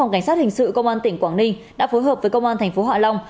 phòng cảnh sát hình sự công an tỉnh quảng ninh đã phối hợp với công an thành phố hạ long